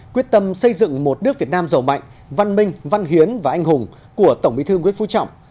quyết tâm xây dựng một nước việt nam giàu mạnh văn minh văn hiến và anh hùng của tổng bí thư nguyễn phú trọng